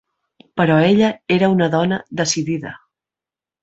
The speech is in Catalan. Però ella era una dona decidida.